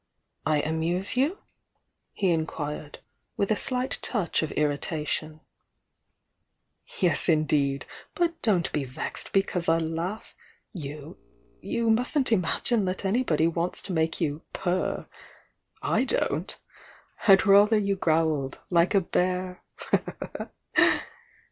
"I amuse you?" he inquired, with a slight touch of irritation. "Yes, indeed! But don't be vexed because I laugh! You — you mustn't imagine that anybody wants to make you 'purr!' /don't! I'd rather you growled, like a bear!"